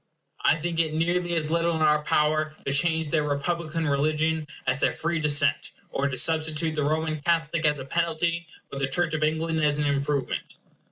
I think it is nearly as little in our power to change their republican religion as their free descent; or to substitute the Roman Catholic as a penalty, or the Church of England as an improvement.